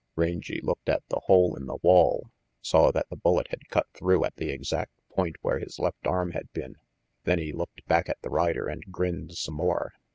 Rangy looked at the hole in the wall, saw that the bullet had cut through at the exact point where his left arm had been; then he looked back at the rider and grinned some more.